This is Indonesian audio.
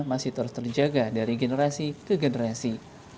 masih terus terjaga dari generasi ke generasi